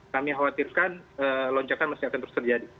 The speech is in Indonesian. kami khawatirkan lonjakan masih akan terus terjadi